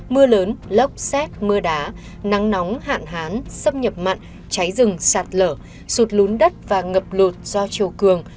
mưa lớn lốc xét mưa đá nắng nóng hạn hán xâm nhập mặn cháy rừng sạt lở sụt lún đất và ngập lụt do chiều cường